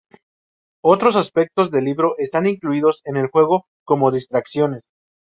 Otros aspectos del libro están incluidos en el juego como distracciones.